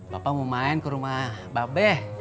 bapak mau main ke rumah mbak be